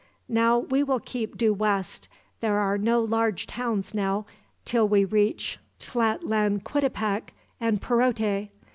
Now we will keep due west. There are no large towns now, till we reach Tlatlanquitepec and Perote.